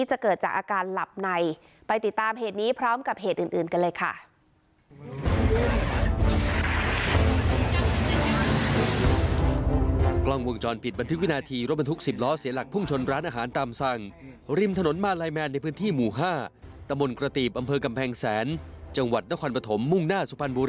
จะเกิดจากอาการหลับในไปติดตามเหตุนี้พร้อมกับเหตุอื่นกันเลยค่ะ